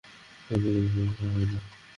এরকম ডিস্টার্ব করলে, সমস্যা হয় না?